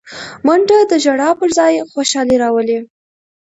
منډه د ژړا پر ځای خوشالي راولي